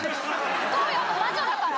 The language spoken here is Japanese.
東洋の魔女だから？